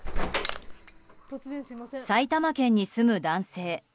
埼玉県に住む男性。